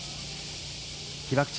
被爆地